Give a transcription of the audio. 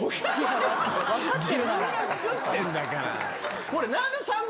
自分が作ってんだから！